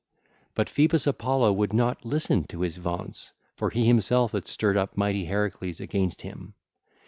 But Phoebus Apollo would not listen to his vaunts, for he himself had stirred up mighty Heracles against him.